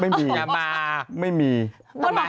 ไม่มีไม่มีโบตกสลายไหมไม่มียังมา